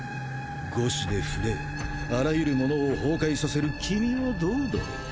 五指で触れあらゆる物を崩壊させる君はどうだろう？